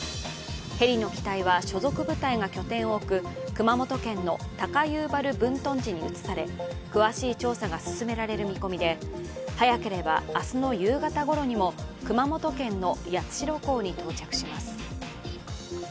ヘリの機体は所属部隊が拠点を置く熊本県の高遊原分屯地に移され詳しい調査が進められる見込みで早ければ明日の夕方ごろにも熊本県の八代港に到着します。